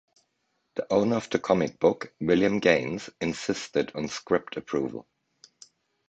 The owner of the comic book, William Gaines, insisted on script approval.